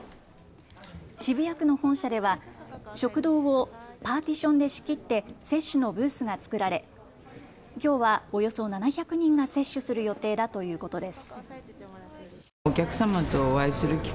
渋谷区の本社では食堂をパーティションで仕切って接種のブースが作られきょうは、およそ７００人が接種する予定だということです。